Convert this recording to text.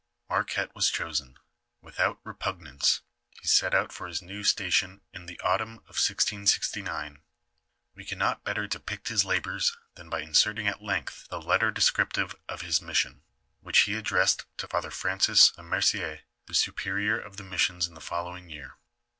Marquette was chosen. Without repugnance he set out for his new station in the autumn of 1669. We can not better depict his labors than by inserting at length the letter descriptive of his mis sion, which he addressed to Father Francis Le Mercier, the superior of the missions in the following year.